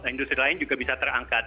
industri lain juga bisa terangkat